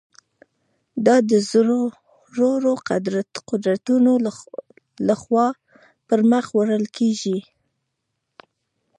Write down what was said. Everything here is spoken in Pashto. دا د زورورو قدرتونو له خوا پر مخ وړل کېږي.